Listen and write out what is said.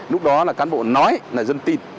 lúc đó là cán bộ nói là dân tin